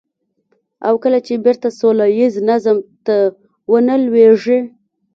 او کله چې بېرته سوله ييز نظم ته ونه لوېږي.